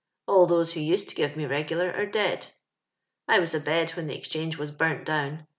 All those who used to give me regular are dead. " I was a bed when the Exchange was burnt down.